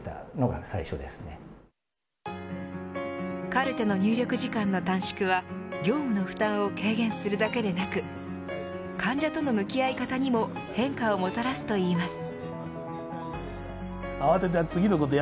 カルテの入力時間の短縮は業務の負担を軽減するだけでなく患者との向き合い方にも変化をもたらすといいます。